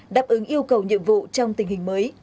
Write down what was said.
đáp ứng yêu cầu nhiệm vụ trong tình hình mới